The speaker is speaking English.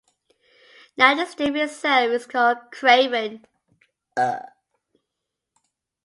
Now the stream itself is called Crevon.